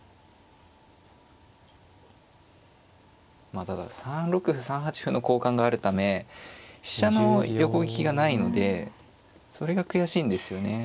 まあただ３六歩３八歩の交換があるため飛車の横利きがないのでそれが悔しいんですよね。